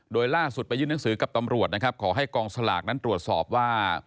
โดยล่าสุดไปยื่นหนังสือกับตำรวจนะครับขอให้กองสลากนั้นตรวจสอบว่า